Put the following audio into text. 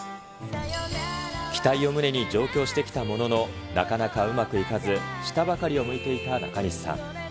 期待を胸に上京してきたものの、なかなかうまくいかず、下ばかりを向いていた中西さん。